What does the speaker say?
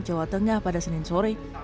jawa tengah pada senin sore